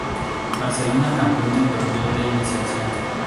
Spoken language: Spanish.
Barcelona Campeón del Torneo de Iniciación.